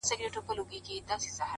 • قاضي وکړه فيصله چي دى په دار سي,